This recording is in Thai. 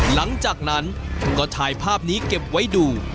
หลังจากนั้นก็ถ่ายภาพนี้เก็บไว้ดู